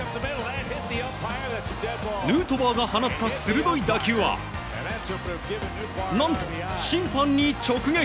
ヌートバーが放った鋭い打球は何と審判に直撃。